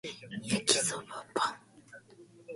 焼きそばパン